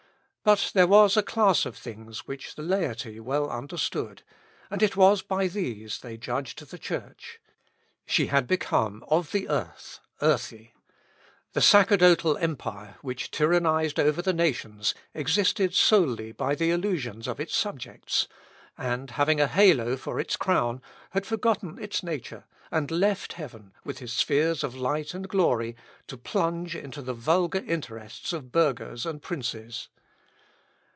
But there was a class of things which the laity well understood, and it was by these they judged the Church. She had become of the "earth, earthy." The sacerdotal empire, which tyrannised over the nations, existed solely by the illusions of its subjects; and having a halo for its crown, had forgotten its nature, and left heaven, with his spheres of light and glory, to plunge into the vulgar interests of burghers and princes.